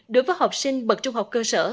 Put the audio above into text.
đối với học sinh bậc trung học cơ sở